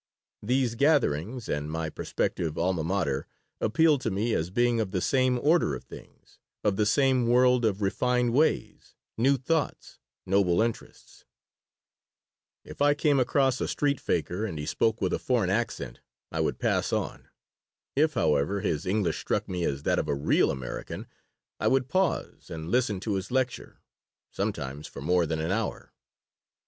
These gatherings and my prospective alma mater appealed to me as being of the same order of things, of the same world of refined ways, new thoughts, noble interests If I came across a street faker and he spoke with a foreign accent I would pass on; if, however, his English struck me as that of a "real American," I would pause and listen to his "lecture," sometimes for more than an hour.